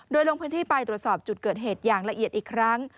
โดยลงพื้นที่ไปตรวจสอบจุดเกิดเหตุอย่างละเอียดอีกครั้ง